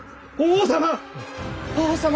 法皇様！